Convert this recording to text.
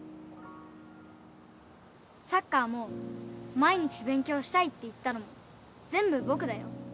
サッカーも毎日勉強したいって言ったのも全部僕だよ。